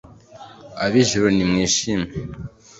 ab'ijuru nimwishime